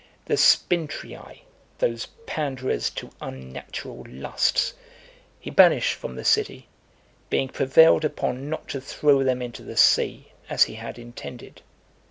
XVI. The Spintriae, those panderers to unnatural lusts , he banished from the city, being prevailed upon not to throw them (261) into the sea, as he had intended.